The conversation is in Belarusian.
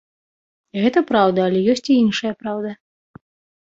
Гэта праўда, але ёсць і іншая праўда.